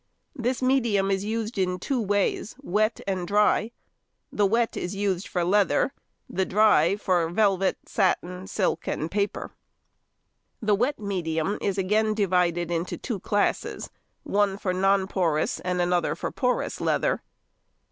This medium is used in two ways—wet and dry. The wet is used for leather, the dry for velvet, satin, silk, and paper. The wet medium is again divided into two classes, one for non porous and another for porous leather.